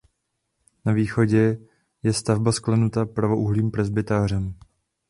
Na východě je stavba sklenuta pravoúhlým presbytářem.